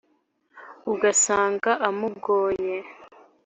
Ugasanga amugoye.